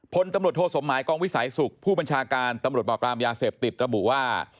พลตำรวจโทสมหมายกองวิสัยสุขผู้บัญชาการตำรวจปราบรามยาเสพติดระบุว่า